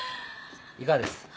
いかがです？